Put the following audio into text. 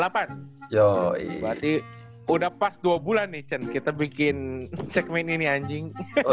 berarti udah pas dua bulan nih cen kita bikin segmen ini anjing